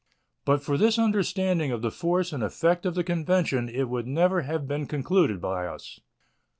But for this understanding of the force and effect of the convention it would never have been concluded by us.